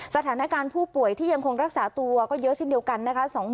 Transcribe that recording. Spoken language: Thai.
สถานการณ์ผู้ป่วยที่ยังคงรักษาตัวก็เยอะเช่นเดียวกันนะคะ